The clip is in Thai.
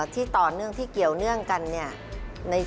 ที่ต่อเนื่องที่เกี่ยวเนื่องกันเนี่ย